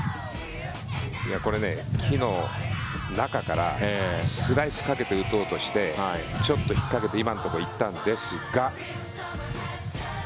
これね、木の中からスライスかけて打とうとしてちょっと引っかけて今のところに行ったんですが。